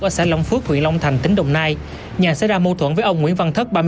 ở xã long phước huyện long thành tỉnh đồng nai nhà xảy ra mâu thuẫn với ông nguyễn văn thất